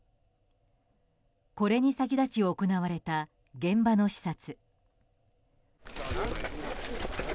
これに先立ち行われた現場の視察。